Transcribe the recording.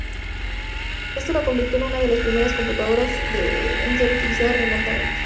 Esto la convirtió en una de las primeras computadoras en ser usadas remotamente.